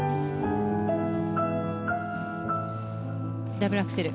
ダブルアクセル。